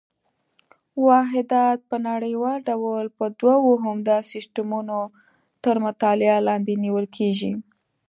واحدات په نړیوال ډول په دوه عمده سیسټمونو تر مطالعې لاندې نیول کېږي.